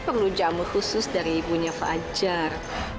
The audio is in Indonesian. perlu jamu khusus dari ibunya fajar